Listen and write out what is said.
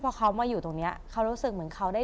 พอเขามาอยู่ตรงนี้เขารู้สึกเหมือนเขาได้